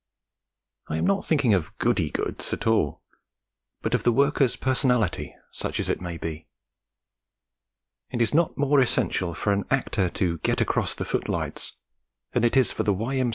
I am not thinking of 'goody' goods at all, but of the worker's personality such as it may be. It is not more essential for an actor to 'get across the footlights' than it is for the Y.M.